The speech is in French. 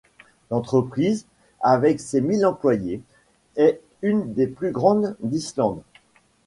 L'entreprise, avec ses mille employés, est une des plus grandes d'Islande.